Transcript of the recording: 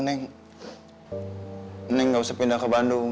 saya gak usah pindah ke bandung